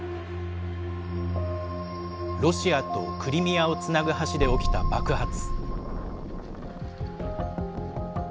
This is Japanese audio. ロシアとクリミアをつなぐ橋で起きた爆発。